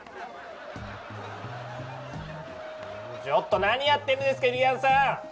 ちょっと何やってんですかゆりやんさん！